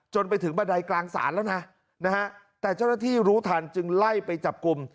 ไปถึงบันไดกลางศาลแล้วนะนะฮะแต่เจ้าหน้าที่รู้ทันจึงไล่ไปจับกลุ่ม